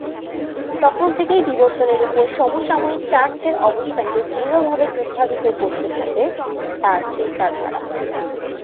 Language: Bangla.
তখন থেকেই বিবর্তনের উপর সমসাময়িক চার্চের অবস্থানকে দৃঢ়ভাবে প্রভাবিত করতে থাকে তার চিন্তাধারা।